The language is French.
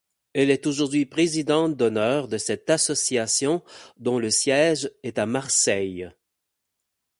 Elle est aujourd’hui présidente d’honneur de cette association dont le siège est à Marseille.